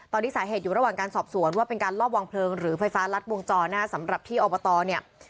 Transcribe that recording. ตอนนี้สาเหตุอยู่ระหว่างการสอบสวนว่าเป็นการลอบวางเพลิงหรือไฟฟ้ารัดวงจรนะฮะสำหรับที่อบตเนี่ย